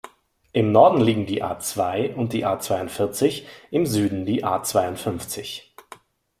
Im Norden liegen die A-zwei und die A-zweiundvierzig, im Süden die A-zweiundfünfzig.